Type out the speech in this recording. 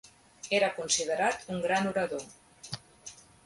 Era considerat un gran orador.